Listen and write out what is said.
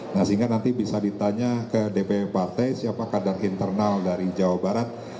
nah sehingga nanti bisa ditanya ke dpp partai siapa kader internal dari jawa barat